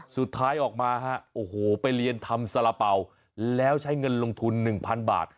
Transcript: สุดท้ายออกมาฮะโอ้โหไปเรียนทำสาระเป๋าแล้วใช้เงินลงทุน๑๐๐๐บาท